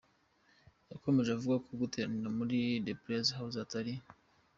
Yakomeje avuga ko guteranira muri The Prayer House atari